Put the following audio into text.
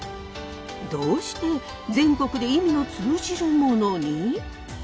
どうして全国で意味の通じるものに？